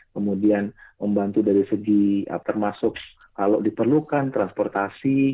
kemudian membantu dari segi termasuk kalau diperlukan transportasi